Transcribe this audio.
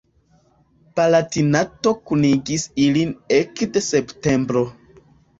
Palatinato kunigis ilin ekde septembro.